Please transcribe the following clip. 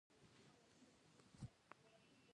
دوی د خپل نظام د تبلیغاتو لپاره کار کوي